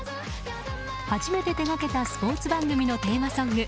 初めて手掛けたスポーツ番組のテーマソング。